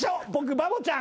バボちゃん